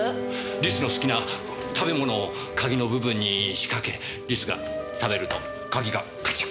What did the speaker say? リスの好きな食べ物を鍵の部分に仕掛けリスが食べると鍵がカチャかかるような。